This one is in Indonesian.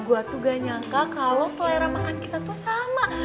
gue tuh gak nyangka kalau selera makan kita tuh sama